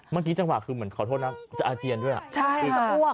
เมื่อกี้จังหวะคือเหมือนขอโทษนะจะอาเจียนด้วยคุยกับอ้วก